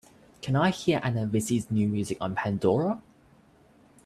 Can I hear Anna Vissi's new music on Pandora?